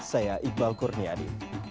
saya iqbal kurniadi